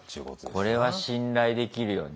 これは信頼できるよね。